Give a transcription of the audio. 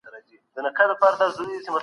دا خوب باید رښتیا سي.